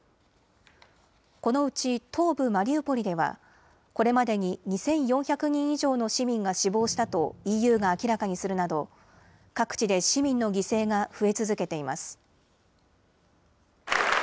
このうち東部マリウポリではこれまでに２４００人以上の市民が死亡したとＥＵが明らかにするなど各地で市民の犠牲が増え続けています。